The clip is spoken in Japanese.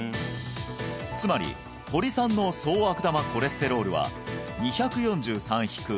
つまり堀さんの総悪玉コレステロールは２４３引く４７１９６